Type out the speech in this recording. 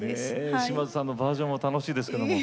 島津さんのバージョンも楽しいですけども。